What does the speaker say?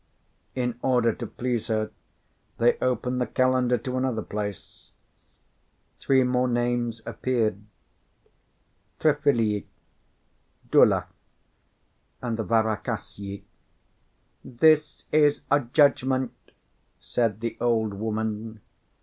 In order to please her they opened the calendar to another place; three more names appeared, Triphiliy, Dula, and Varakhasiy. "This is a judgment," said the old woman.